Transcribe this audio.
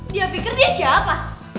dia pikir dia siapa